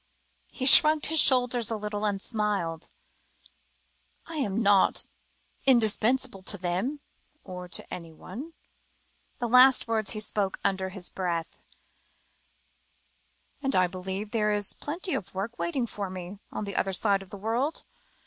He shrugged his shoulders a little, and smiled. "I am not indispensable to them, or to anyone" the last words he spoke under his breath "and I believe there is plenty of work waiting for me, on the other side of the world.